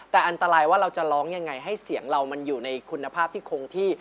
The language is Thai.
แต่อันตรายว่าเราจะร้องยังไงให้เสียงเรามันอยู่ในคุณภาพที่คงที่